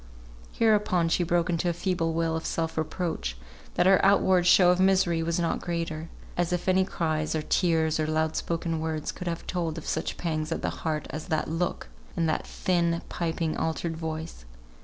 Hereupon she broke into a feeble wail of self reproach, that her outward show of misery was not greater; as if any cries, or tears, or loud spoken words could have told of such pangs at the heart as that look, and that thin, piping, altered voice!